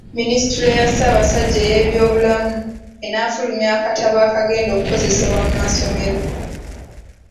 Minisitule ya Ssabasajja ey'eby'obulamu enaafulumya akatabo akagenda okukozesebwa mu masomero.